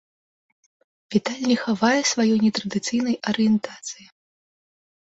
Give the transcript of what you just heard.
Віталь не хавае сваёй нетрадыцыйнай арыентацыі.